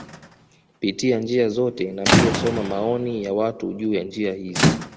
Pitia njia zote na pia soma maoni ya watu juu ya njia hizi